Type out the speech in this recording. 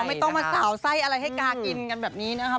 ไม่ต้องมาสาวไส้อะไรให้กากินกันแบบนี้นะครับ